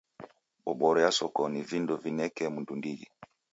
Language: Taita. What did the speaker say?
Boboro ya soko ni vindo vineka mundu ndighi.